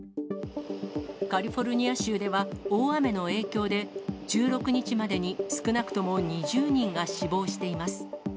カリフォルニア州では大雨の影響で１６日までに少なくとも２０人が死亡しています。